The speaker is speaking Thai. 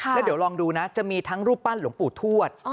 แล้วเดี๋ยวลองดูนะจะมีทั้งรูปปั้นหลวงปู่ทวด